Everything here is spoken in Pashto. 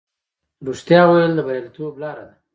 رښتیا ویل د بریالیتوب لاره ده.